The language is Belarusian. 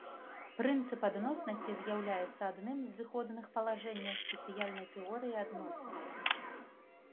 Прынцып адноснасці з'яўляецца адным з зыходных палажэнняў спецыяльнай тэорыі адноснасці.